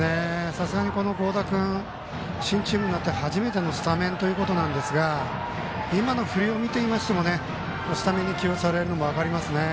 さすがに合田君、新チームで初めてスタメンということですが今の振りを見ていましてもスタメンに起用されるのも分かりますね。